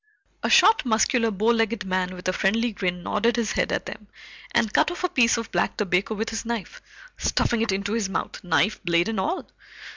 A short, muscular, bowlegged man with a friendly grin, nodded his head at them and cut off a piece of black tobacco with his knife, stuffing it into his mouth, knife blade and all.